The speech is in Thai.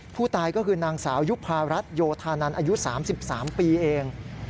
ผู้ตายก็คือนางสาวยุภารัฐโยธานันอายุ๓๓ปีเอง